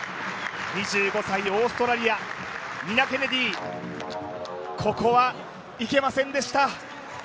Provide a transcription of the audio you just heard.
２５歳オーストラリアニナ・ケネディ、ここはいけませんでした。